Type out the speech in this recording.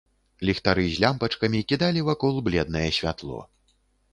Ліхтары з лямпачкамі кідалі вакол бледнае святло.